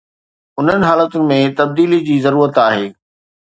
انهن حالتن ۾ تبديلي جي ضرورت آهي.